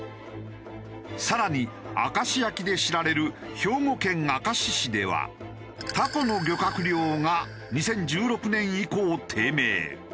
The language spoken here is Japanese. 更に明石焼きで知られる兵庫県明石市ではタコの漁獲量が２０１６年以降低迷。